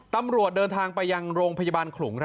ตำรวจเดินทางไปยังโรงพยาบาลขลุง